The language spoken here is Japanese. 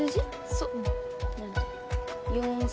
そう。